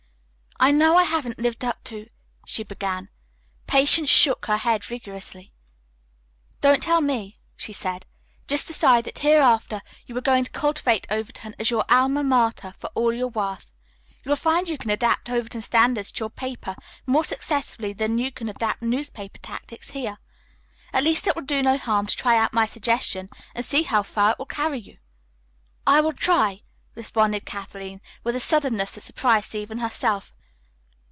"I know I haven't lived up to " she began. Patience shook her head vigorously. "Don't tell me," she said. "Just decide that hereafter you are going to cultivate Overton as your Alma Mater for all you're worth. You'll find you can adapt Overton standards to your paper more successfully than you can adapt newspaper tactics here. At least it will do no harm to try out my suggestion and see how far it will carry you." "I will try," responded Kathleen with a suddenness that surprised even herself.